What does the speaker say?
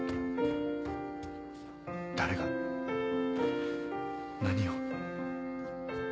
誰が？何を？